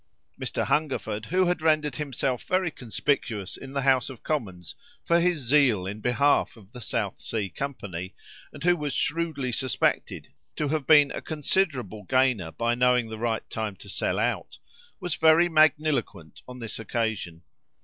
Mr. Hungerford, who had rendered himself very conspicuous in the House of Commons for his zeal in behalf of the South Sea company, and who was shrewdly suspected to have been a considerable gainer by knowing the right time to sell out, was very magniloquent on this occasion.